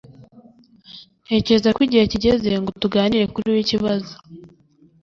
Ntekereza ko igihe kigeze ngo tuganire kuri we ikibazo.